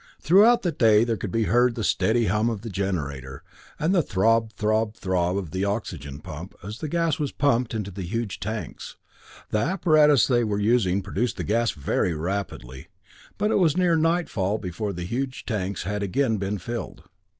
Throughout the day there could be heard the steady hum of the generator, and the throb throb throb of the oxygen pump, as the gas was pumped into the huge tanks. The apparatus they were using produced the gas very rapidly, but it was near nightfall before the huge tanks had again been filled.